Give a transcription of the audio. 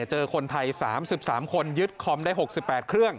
เจอคนไทย๓๓คนยึดคอมได้๖๘เครื่อง